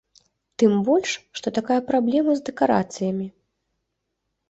Тым больш, што такая праблема з дэкарацыямі.